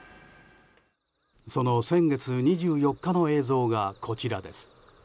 その先月２４日の映像がこちらです。